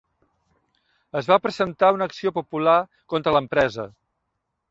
Es va presentar una acció popular contra l'empresa.